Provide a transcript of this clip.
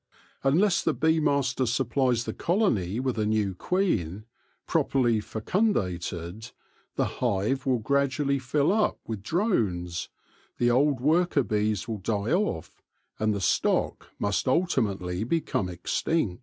Unless the bee master supplies the colony with a new queen, properly fecundated, the hive will gradually fill up with drones, the old worker bees will die off, and the stock must ultimately become extinct.